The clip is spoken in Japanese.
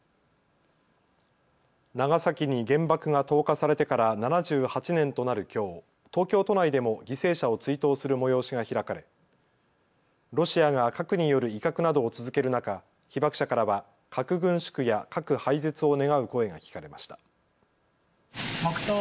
長崎に原爆が投下されてから７８年となるきょう、東京都内でも犠牲者を追悼する催しが開かれロシアが核による威嚇などを続ける中、被爆者からは核軍縮や核廃絶を願う声が聞かれました。